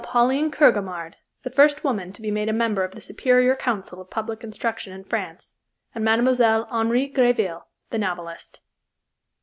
Pauline Kergomard, the first woman to be made a member of the Superior Council of public Instruction in France, and Mme. Henri Gréville, the novelist.